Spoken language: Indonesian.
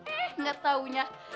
eh gak taunya